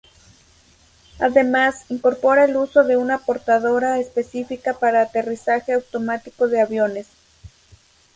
Además incorpora el uso de una portadora específica para aterrizaje automático de aviones.